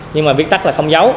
nhưng mà viết tắt là không giấu